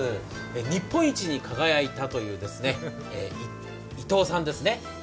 日本一に輝いたという伊藤さんですね。